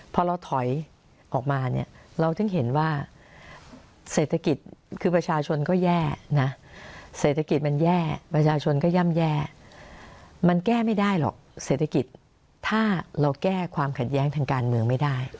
พอเราถอยออกมาเนี่ยเราถึงเห็นว่าเศรษฐกิจคือประชาชนก็แย่นะเศรษฐกิจมันแย่ประชาชนก็ย่ำแย่มันแก้ไม่ได้หรอกเศรษฐกิจถ้าเราแก้ความขัดแย้งทางการเมืองไม่ได้